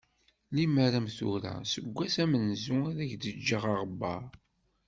Limer am tura seg wass amenzu ad ak-d-ǧǧeɣ aɣebbar.